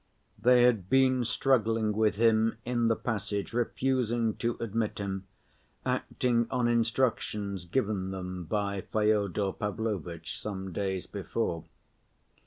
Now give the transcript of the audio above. They had been struggling with him in the passage, refusing to admit him, acting on instructions given them by Fyodor Pavlovitch some days before.